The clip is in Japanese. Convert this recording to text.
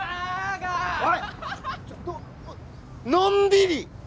のんびり！